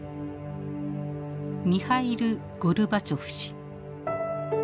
ミハイル・ゴルバチョフ氏。